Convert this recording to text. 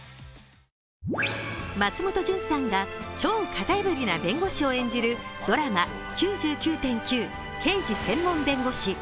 松本潤さんが超型破りな弁護士を演じるドラマ「９９．９−刑事専門弁護士−」。